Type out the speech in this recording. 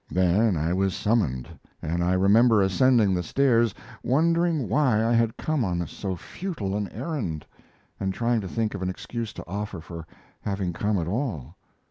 Then I was summoned, and I remember ascending the stairs, wondering why I had come on so futile an errand, and trying to think of an excuse to offer for having come at all.